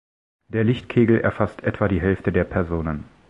Der Lichtkegel erfasst etwa die Hälfte der Personen.